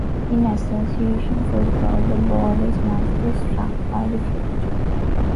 In association football, the ball is mostly struck by the foot.